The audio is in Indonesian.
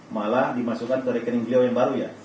malah dimasukkan ke rekening beliau yang baru ya